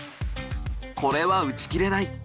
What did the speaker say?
これは打ち切れない。